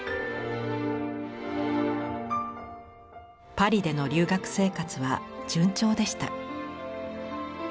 パリでの留学生活は順調でした。